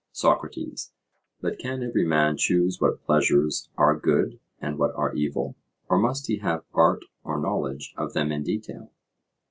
SOCRATES: But can every man choose what pleasures are good and what are evil, or must he have art or knowledge of them in detail?